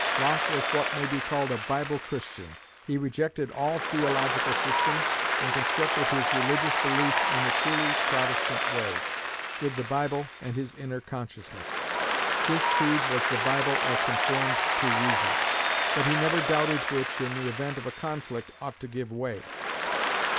Locke was what may be called a Bible Christian. He rejected all theological systems, and constructed his religious belief in the truly Protestant way, with the Bible and his inner consciousness. His creed was the Bible as conformed to reason; but he never doubted which, in the event of a conflict, ought to give way.